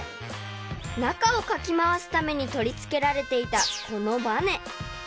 ［中をかき回すために取り付けられていたこのばね］